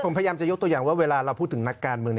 ผมพยายามจะยกตัวอย่างว่าเวลาเราพูดถึงนักการเมือง